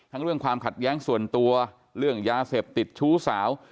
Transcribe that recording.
เรื่องความขัดแย้งส่วนตัวเรื่องยาเสพติดชู้สาว